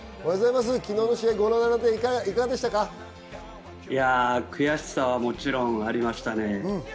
昨日の試合、ご覧になってい悔しさはもちろんありましたね。